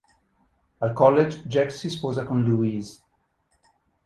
Al college, Jack si sposa con Louise.